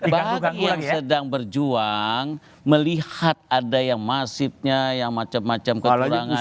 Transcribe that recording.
bagi yang sedang berjuang melihat ada yang masifnya yang macam macam kecurangan